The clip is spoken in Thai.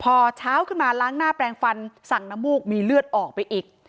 พอเช้าขึ้นมาล้างหน้าแปลงฟันสั่งน้ำมูกมีเลือดออกไปอีก